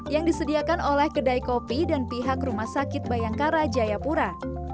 yang disediakan oleh kedai kopi dan pihak rumah sakit bayangkara jayapura